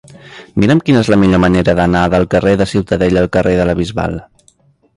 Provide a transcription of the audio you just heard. Mira'm quina és la millor manera d'anar del carrer de Ciutadella al carrer de la Bisbal.